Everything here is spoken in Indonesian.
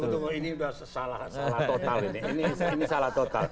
tunggu tunggu ini sudah salah total ini